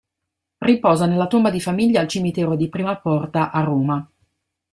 Riposa nella tomba di famiglia al cimitero di Prima Porta a Roma.